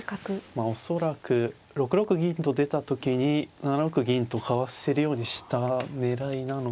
まあ恐らく６六銀と出た時に７六銀とかわせるようにした狙いなのかもしれないですね。